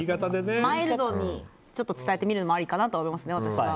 マイルドに伝えてみるのもありかなと思いますね、私は。